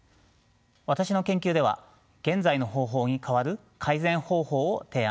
私の研究では現在の方法に代わる改善方法を提案しています。